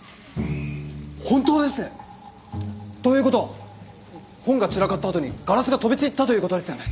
本当ですね！という事は本が散らかったあとにガラスが飛び散ったという事ですよね。